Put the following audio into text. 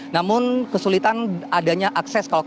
namun kesulitan adanya akses